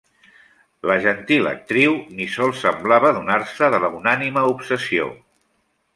La gentil actriu ni sols semblava adonar-se de la unànime obsessió.